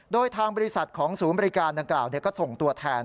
โดยทางบริษัทของศูนย์บริการดังกล่าวก็ส่งตัวแทน